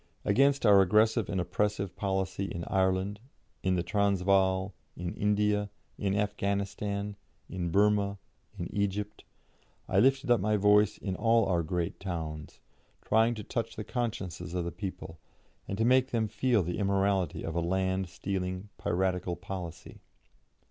Against our aggressive and oppressive policy in Ireland, in the Transvaal, in India, in Afghanistan, in Burmah, in Egypt, I lifted up my voice in all our great towns, trying to touch the consciences of the people, and to make them feel the immorality of a land stealing, piratical policy.